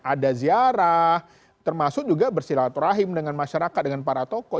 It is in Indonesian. ada ziarah termasuk juga bersilaturahim dengan masyarakat dengan para tokoh